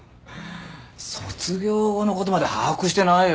卒業後のことまで把握してないよ。